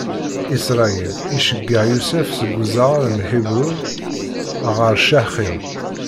Isṛayil iceggeɛ Yusef seg uzaɣar n Ḥibṛun ɣer Caxim.